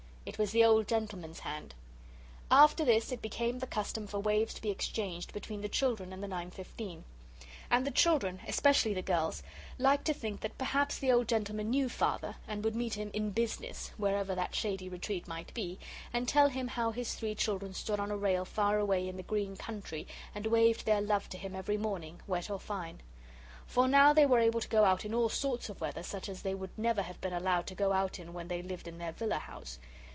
It was the old gentleman's hand. After this it became the custom for waves to be exchanged between the children and the 9.15. And the children, especially the girls, liked to think that perhaps the old gentleman knew Father, and would meet him 'in business,' wherever that shady retreat might be, and tell him how his three children stood on a rail far away in the green country and waved their love to him every morning, wet or fine. For they were now able to go out in all sorts of weather such as they would never have been allowed to go out in when they lived in their villa house.